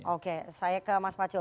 oke saya ke mas pacul